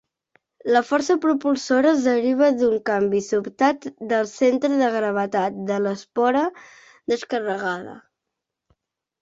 La força propulsora es deriva d'un canvi sobtat del centre de gravetat de l'espora descarregada.